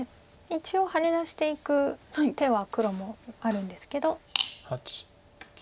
一応ハネ出していく手は黒もあるんですけど。